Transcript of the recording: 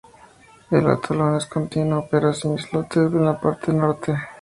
El atolón es continuo, pero sin islotes en la parte norte.